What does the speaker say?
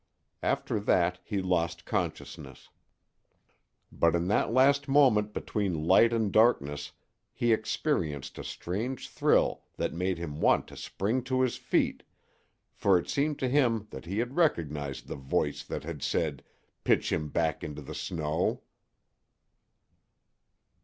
After that he lost consciousness. But in that last moment between light and darkness he experienced a strange thrill that made him want to spring to his feet, for it seemed to him that he had recognized the voice that had said "Pitch him back into the snow."